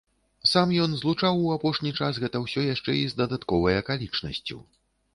Сам ён злучаў у апошні час гэта ўсё яшчэ і з дадатковай акалічнасцю.